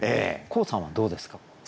黄さんはどうですか？